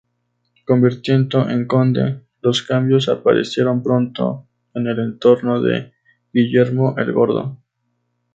Convertido en conde, los cambios aparecieron pronto en el entorno de Guillermo el Gordo.